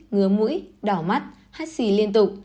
ngứa mũi đỏ mắt hắt xì liên tục